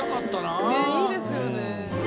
ねえいいですよね。